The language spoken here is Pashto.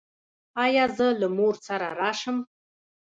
ایا زه له مور سره راشم؟